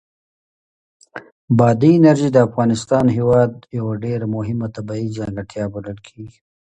بادي انرژي د افغانستان هېواد یوه ډېره مهمه طبیعي ځانګړتیا بلل کېږي.